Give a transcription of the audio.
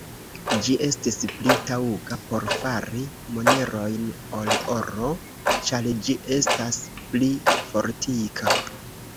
Ĝi estis pli taŭga por fari monerojn ol oro, ĉar ĝi estas pli fortika.